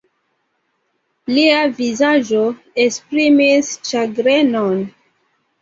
Lia vizaĝo esprimis ĉagrenon.